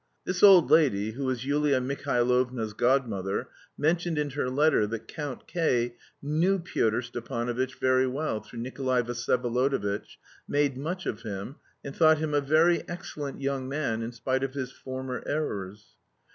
This old lady, who was Yulia Mihailovna's godmother, mentioned in her letter that Count K. knew Pyotr Stepanovitch very well through Nikolay Vsyevolodovitch, made much of him, and thought him "a very excellent young man in spite of his former errors."